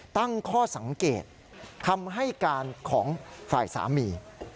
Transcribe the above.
ตั้งข้อสังเกตคำให้การของฝ่ายสามี